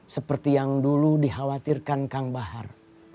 seperti yang dulu dikhawatirkan kang bahar